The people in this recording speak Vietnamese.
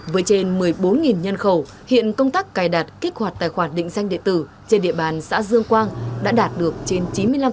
với trên một mươi bốn nhân khẩu hiện công tác cài đặt kích hoạt tài khoản định danh điện tử trên địa bàn xã dương quang đã đạt được trên chín mươi năm